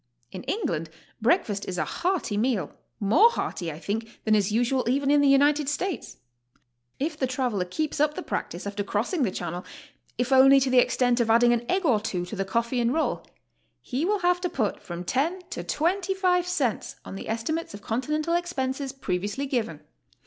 In England breakfast is a hearty meal, more hearty, I think, than is usual even in the United States. If the traveler keeps up the practice after crossing the Chan nel; if only to the extent of adding an egg or two to the HOW TO STAY. 135 coffee and roll, he will have to put fro'm 10 to 25 cents on the estimates of Continental expenses previously given.